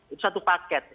itu satu paket